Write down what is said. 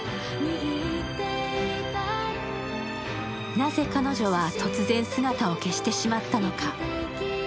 なぜ彼女は突然、姿を消してしまったのか。